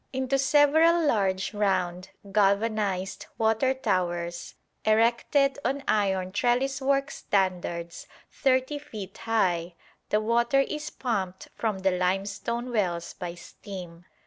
Into several large round galvanised watertowers erected on iron trelliswork standards thirty feet high, the water is pumped from the limestone wells by steam.